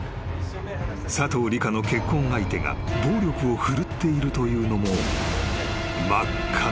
［佐藤里香の結婚相手が暴力を振るっているというのも］